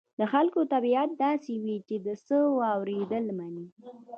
د خلکو طبيعت داسې وي چې څه واورېدل مني.